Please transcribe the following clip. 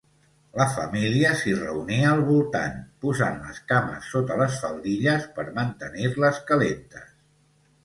La família s'hi reunia al voltant, posant les cames sota les faldilles per mantenir-les calentes.